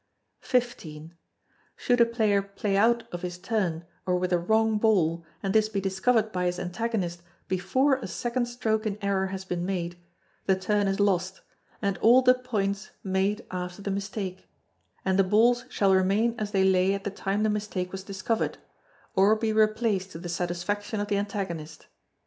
xv. Should a player play out of his turn, or with a wrong ball, and this be discovered by his antagonist before a second stroke in error has been made, the turn is lost, and all points made after the mistake, and the balls shall remain as they lay at the time the mistake was discovered, or be replaced to the satisfaction of the antagonist.